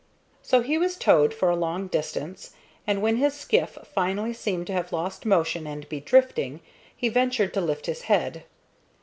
So he was towed for a long distance, and when his skiff finally seemed to have lost motion and be drifting, he ventured to lift his head.